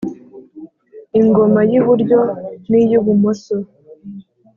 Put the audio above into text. ingoma y’iburyo n’iy’ibumoso